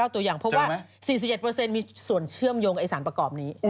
ตัวอย่างเพราะว่า๔๑มีส่วนเชื่อมโยงไอ้สารประกอบนี้